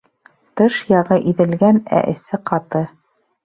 Тыш яғы иҙелгән, ә эсе ҡаты